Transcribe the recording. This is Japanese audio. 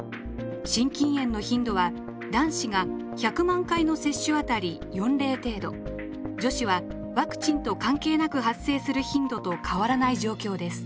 心筋炎の頻度は男子が１００万回の接種あたり４例程度女子はワクチンと関係なく発生する頻度と変わらない状況です。